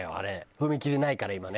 踏切ないから今ね。